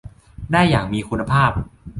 ได้อย่างมีคุณภาพ